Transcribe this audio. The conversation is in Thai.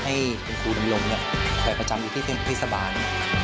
ให้คุณครูดำรงเนี้ยแปลกประจำอยู่ที่ทฤษฐาบาลนะครับ